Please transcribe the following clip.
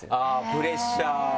プレッシャーが。